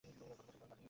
কত বৎসর গত হইয়া গেল।